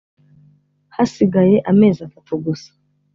hasigaye amezi atatu gusa